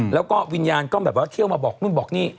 แล้วก็วิญญาณก็แบบว่าเที่ยวมาบอกนู่นบอกนี่